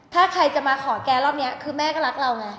ถ้าใครจะมาขอแกรอบนี้คือแม่ก็รักเราไง